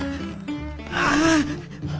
ああ。